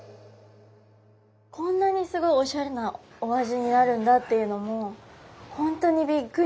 こんなにすごいオシャレなお味になるんだっていうのも本当にビックリ。